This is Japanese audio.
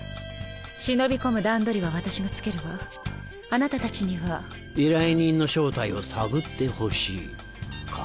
忍び込む段取りは私がつけるわあなたたちには。依頼人の正体を探ってほしいか？